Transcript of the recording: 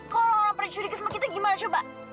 kalau orang orang percuri kesempat kita gimana coba